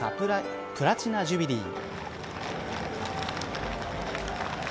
プラチナ・ジュビリー。